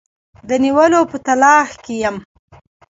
د نیولو په تلاښ کې یم.